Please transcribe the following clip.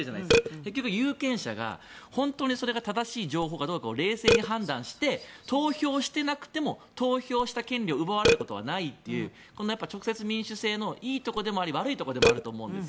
結局、有権者が本当にそれが正しい情報か判断して投票していなくても投票した権利を奪われることはないという直接民主制のいいところでもあり悪いところでもあると思います。